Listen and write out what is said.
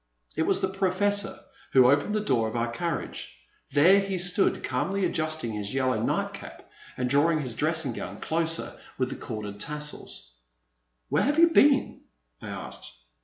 It was the Professor who opened the door of our carriage. There he stood, calmly adjusting his yellow nightcap and drawing his dressing gown closer with the corded tassels. Where have you been ?" I asked.